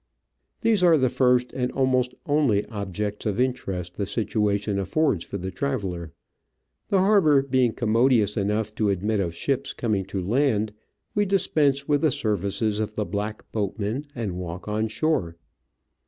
These are the first and almost only objects of interest the situation affords for the traveller. The harbour being commodious enough to admit of ships coming to land, we dispense with the services of the black boat man and walk on shore.